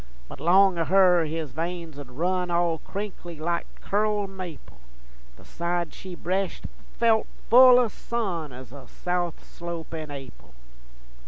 But long o' her his veins 'ould run All crinkly like curled maple, The side she breshed felt full o' sun Ez a south slope in Ap'il.